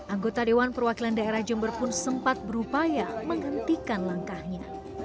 anggota dewan perwakilan daerah jember pun sempat berupaya menghentikan langkahnya